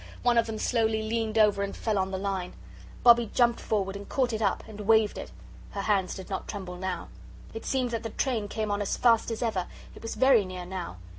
One of them slowly leaned over and fell on the line. Bobbie jumped forward and caught it up, and waved it; her hands did not tremble now. It seemed that the train came on as fast as ever. It was very near now.